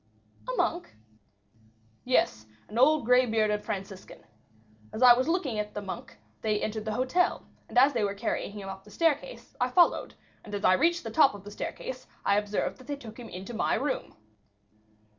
"A monk?" "Yes, an old gray bearded Franciscan. As I was looking at the monk, they entered the hotel; and as they were carrying him up the staircase, I followed, and as I reached the top of the staircase I observed that they took him into my room."